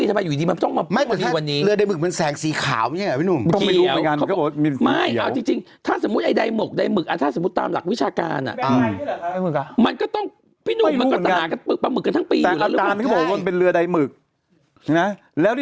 สมมุติคุณไม่ได้โควต้าอย่างนี้